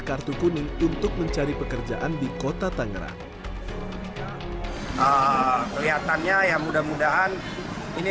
kartu kuning untuk mencari pekerjaan di kota tangerang kelihatannya ya mudah mudahan ini